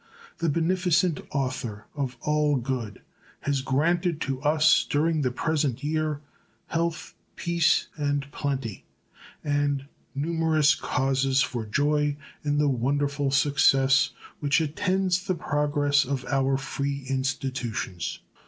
The beneficent Author of All Good has granted to us during the present year health, peace, and plenty, and numerous causes for joy in the wonderful success which attends the progress of our free institutions.